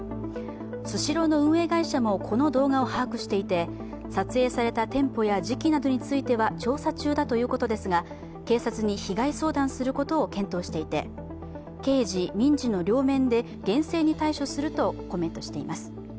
スシローの運営会社もこの動画を把握していて撮影された店舗や時期などについては調査中だということですが警察に被害相談することを検討していて、刑事・民事の両面で厳正に対処するとコメントしています。